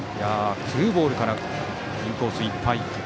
ツーボールからインコースいっぱい。